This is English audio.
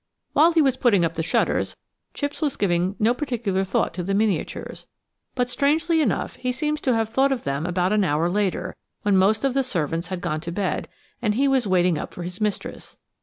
While he was putting up the shutters, Chipps was giving no particular thought to the miniatures, but, strangely enough, he seems to have thought of them about an hour later, when most of the servants had gone to bed and he was waiting up for his mistress.